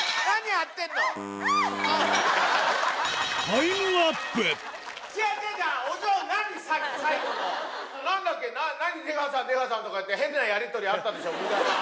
何やってるの？